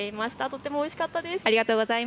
とてもおいしかったです。